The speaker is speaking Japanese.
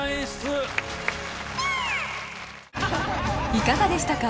いかがでしたか？